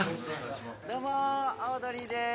どうもオードリーです